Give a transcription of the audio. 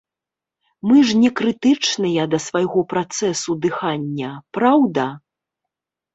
Мы ж не крытычныя да свайго працэсу дыхання, праўда?